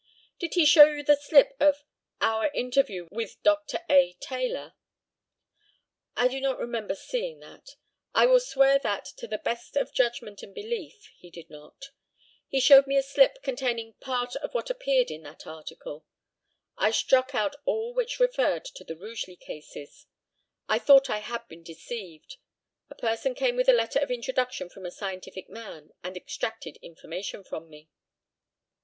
Did he show you the slip of "Our interview with Dr. A. Taylor?" I do not remember seeing that. I will swear that, to the best of judgment and belief, he did not. He showed me a slip containing part of what appeared in that article. I struck out all which referred to the Rugeley cases. I thought I had been deceived. A person came with a letter of introduction from a scientific man and extracted information from me.